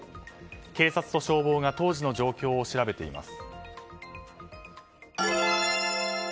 警察と消防が当時の状況を調べています。